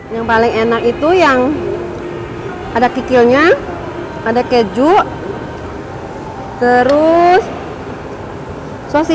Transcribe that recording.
yang paling enak itu yang ada kikilnya ada keju terus sosis